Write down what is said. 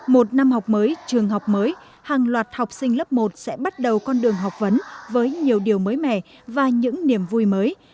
một năm học mới trường học mới hàng loạt học sinh lớp một sẽ bắt đầu con đường học vấn với nhiều điều mới mẻ và những niềm vui mới